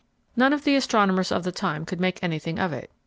None of the astronomers of the time could make anything of it.